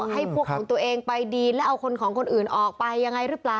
ให้พวกของตัวเองไปดีแล้วเอาคนของคนอื่นออกไปยังไงหรือเปล่า